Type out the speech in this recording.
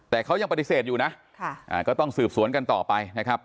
แต่เขายังปฏิเสธอยู่นะก็ต้องสืบสวนกันต่อไปนะครับ